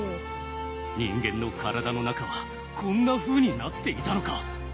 人間の体の中はこんなふうになっていたのか！